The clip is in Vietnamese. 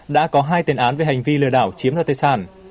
đã có hai tên án về hành vi lừa đảo chiếm ra tài sản